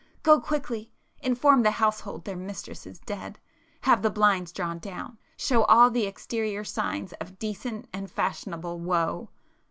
Go quickly,—inform the household their mistress is dead,—have the blinds drawn down,—show all the exterior signs of decent and fashionable woe!"